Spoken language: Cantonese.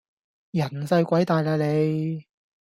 人細鬼大喇你